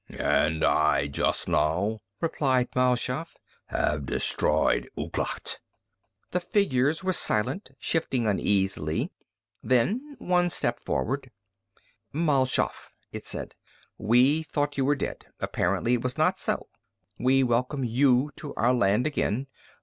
"And I, just now," replied Mal Shaff, "have destroyed Ouglat." The figures were silent, shifting uneasily. Then one stepped forward. "Mal Shaff," it said, "we thought you were dead. Apparently it was not so. We welcome you to our land again.